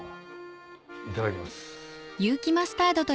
いただきます。